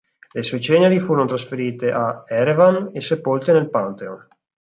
Le sue ceneri furono trasferite a Erevan e sepolte nel Pantheon.